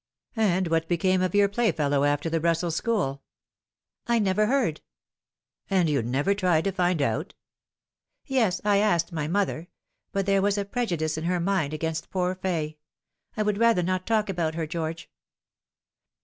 And what became of your playfellow after the Brussels school?" ' I never heard." ' And you never tried to find out ?"' Yes, I asked my mother ; but there was a prejudice in her mind against poor Fay. I would rather not talk about her, George."